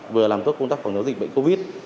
vừa làm tốt công tác phòng chống dịch bệnh covid